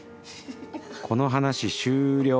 この話終了！